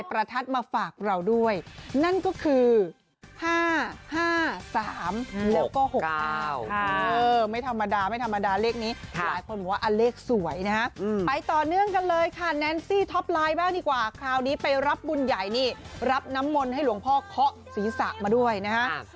ไปต่อเนื่องกันเลยค่ะแนนซี่ท็อปไลน์บ้างดีกว่าคราวนี้ไปรับบุญใหญ่นี่รับน้ำมนต์ให้หลวงพ่อเคาะศีรษะมาด้วยนะครับ